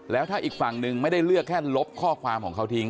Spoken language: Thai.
แล้วถ้าอีกฝั่งหนึ่งไม่ได้เลือกแค่ลบข้อความของเขาทิ้ง